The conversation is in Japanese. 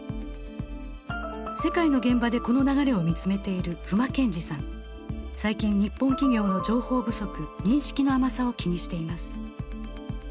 世界の現場でこの流れを見つめている最近日本企業の情報不足認識の甘さを気にしています。